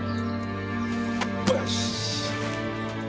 よし！